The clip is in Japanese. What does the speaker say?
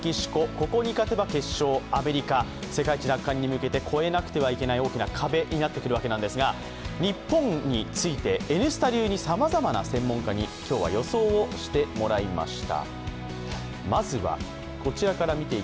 ここに勝てば決勝、アメリカ、世界一奪還に向けて超えなくてはいけない大きな壁になってくるんですが日本について「Ｎスタ」流にさまざまな専門家に予想をしてもらいました。